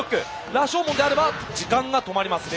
羅生門であれば時間が止まります。